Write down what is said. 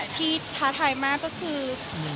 ท้าทายมากก็คือ